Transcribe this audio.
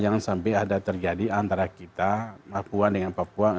jangan sampai ada terjadi antara kita papua dengan papua